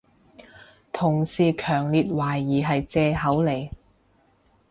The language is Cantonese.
同事強烈懷疑係藉口嚟